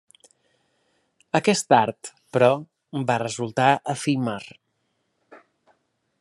Aquest art, però, va resultar efímer.